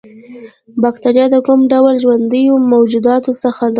باکتریا د کوم ډول ژوندیو موجوداتو څخه ده